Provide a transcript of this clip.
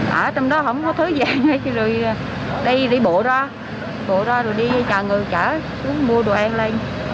ở trong đó không có thứ gì rồi đi đi bộ ra bộ ra rồi đi chờ người chở xuống mua đồ ăn lên